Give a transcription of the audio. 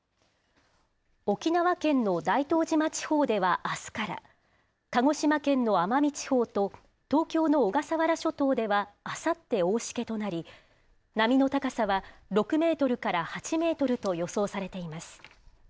沖縄県の大東島地方ではあすから、鹿児島県の奄美地方と東京の小笠原諸島ではあさって、大しけとなり、波の高さは６メートルから８メートルと予想されています。